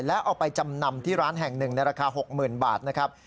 แล้วเอาไปจำนำที่ร้านแห่งหนึ่งในราคา๖๐๐๐บาทนะครับ